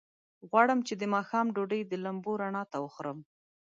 غواړم چې د ماښام ډوډۍ د لمبو رڼا ته وخورم.